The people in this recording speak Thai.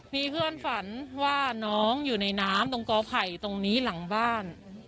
มีเพื่อนฝันว่าน้องอยู่ในน้ำตรงกอไผ่ตรงนี้หลังบ้าน